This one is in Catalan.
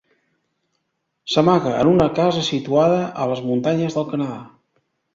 S'amaga en una casa situada a les muntanyes del Canadà.